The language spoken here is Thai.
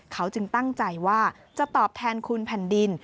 เขาจึงตั้งใจว่าจะตอบแทนคุณแผ่นดิน